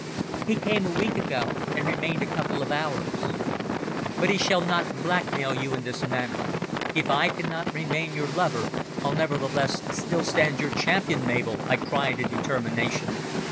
"He came a week ago and remained a couple of hours." "But he shall not blackmail you in this manner! If I cannot remain your lover. I'll nevertheless still stand your champion, Mabel!" I cried in determination.